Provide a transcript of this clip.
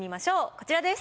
こちらです。